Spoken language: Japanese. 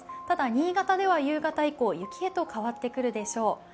ただ、新潟では夕方以降雪へと変わってくるでしょう。